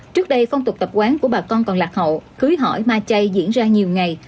trước đây phong tục tập quán của bà con còn lạc hậu cưới hỏi ma chay diễn ra nhiều ngày